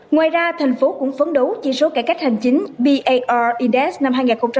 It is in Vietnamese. ngoài ra thành phố cũng phấn đấu chỉ số cải cách hành chính bar index năm hai nghìn hai mươi